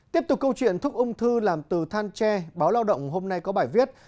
tiếp tục câu chuyện thuốc ung thư làm từ than tre báo lao động hôm nay có bài viết